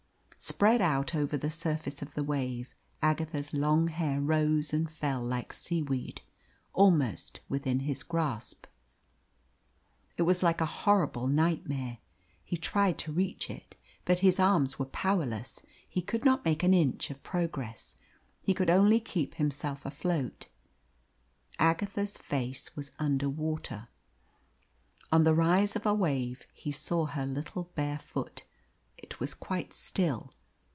Spread out over the surface of the wave Agatha's long hair rose and fell like seaweed, almost within his grasp. It was like a horrible nightmare. He tried to reach it, but his arms were powerless; he could not make an inch of progress; he could only keep himself afloat. Agatha's face was under water. On the rise of a wave he saw her little bare foot; it was quite still.